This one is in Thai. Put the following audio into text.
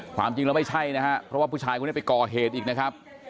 ความจริงแล้วไม่ใช่นะครับเพราะว่าผู้ชายคนนี้ไปก่อเหตุอีกนะครับ